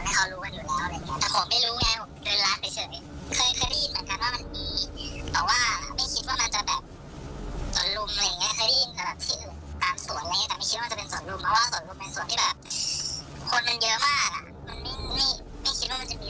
มันไม่คิดว่ามันจะมีคนที่เข้ามาทำอะไรไม่ได้